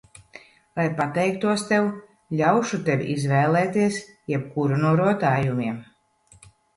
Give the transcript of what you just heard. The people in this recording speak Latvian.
Lai pateiktos tev, ļaušu tev izvēlēties jebkuru no rotājumiem.